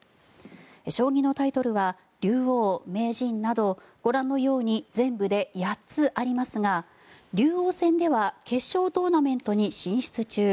将棋のタイトルは竜王、名人などご覧のように全部で８つありますが竜王戦では決勝トーナメントに進出中。